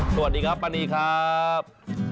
สวัสดีครับป้านีครับ